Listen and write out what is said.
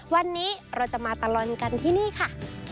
วันนี้เราจะมาตลอดกันที่นี่ค่ะ